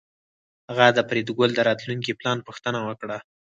هغه د فریدګل د راتلونکي پلان پوښتنه وکړه